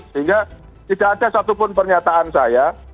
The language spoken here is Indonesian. sehingga tidak ada satupun pernyataan saya